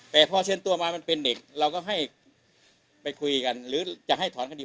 แต่พอเชิญตัวมามันเป็นเด็กเราก็ให้ไปคุยกันหรือจะให้ถอนคดี